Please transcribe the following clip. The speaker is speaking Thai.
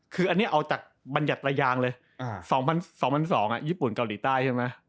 คืออันนี้เอาจากบัญญัติระยางเลย๒๐๐๒ญี่ปุ่นเกาหลีใต้ใช่ไหม